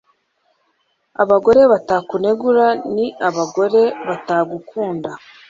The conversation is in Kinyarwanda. Abagore batakunegura ni abagore batagukunda